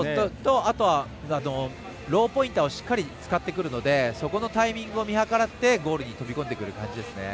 あとはローポイントをしっかり使ってくるのでそこのタイミングを見計らってゴールに飛び込んでくる感じです。